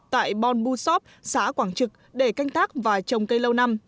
tại bon busapp xã quảng trực để canh tác và trồng cây lâu năm